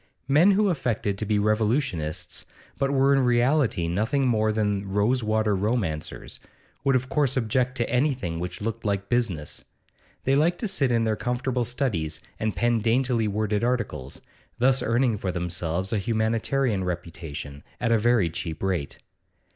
Men who affected to be revolutionists, but were in reality nothing more than rose water romancers, would of course object to anything which looked like business; they liked to sit in their comfortable studies and pen daintily worded articles, thus earning for themselves a humanitarian reputation at a very cheap rate.